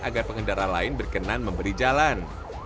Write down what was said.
agar pengendara lain berkenan memberi jalan